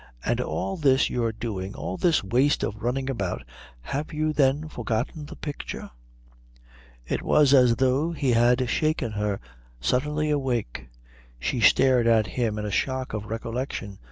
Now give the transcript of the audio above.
"And all this you're doing, all this waste of running about have you then forgotten the picture?" It was as though he had shaken her suddenly awake. She stared at him in a shock of recollection.